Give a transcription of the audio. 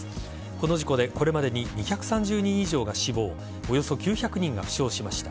この事故でこれまでに２３０人以上が死亡およそ９００人が負傷しました。